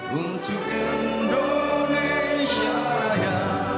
hiduplah indonesia raya